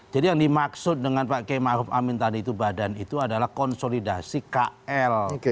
jadi yang dimaksud dengan pak k ma'ruf amin tadi itu badan itu adalah konsolidasi kl